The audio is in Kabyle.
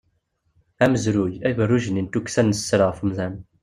Amezruy, agerruj-nni n tukksa n sser ɣef umdan.